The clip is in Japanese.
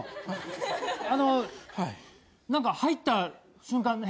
あの何か入った瞬間